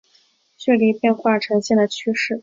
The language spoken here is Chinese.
呈现色球层的温度和密度随距离变化呈现的趋势。